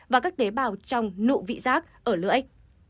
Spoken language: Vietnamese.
và các tế bào trong nụ vị giác ở lưỡi